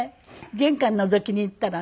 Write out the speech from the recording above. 玄関のぞきに行ったらね